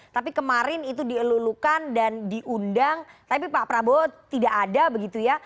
tapi kemarin itu dielulukan dan diundang tapi pak prabowo tidak ada begitu ya